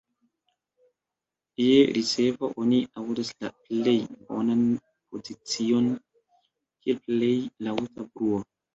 Je ricevo oni aŭdas la plej bonan pozicion kiel plej laŭta bruo.